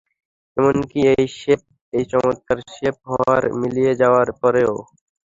এমনকি এই শেফ, এই চমৎকার শেফ, হাওয়ায় মিলিয়ে যাওয়ার পরেও।